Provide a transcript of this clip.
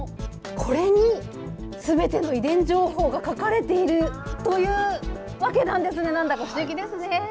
これにすべての遺伝情報が書かれているというわけなんですね、なんだか不思議ですね。